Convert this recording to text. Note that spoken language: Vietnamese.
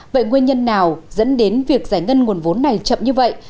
vậy nguyên nhân nào dẫn đến việc giải ngân nguồn vốn này chậm như vậy